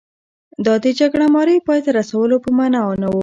دا د جګړه مارۍ پای ته رسولو په معنا نه و.